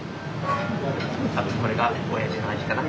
これがおやじの味かな。